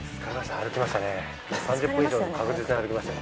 ３０分以上確実に歩きましたね。